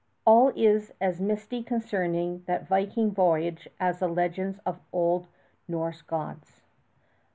All is as misty concerning that Viking voyage as the legends of old Norse gods.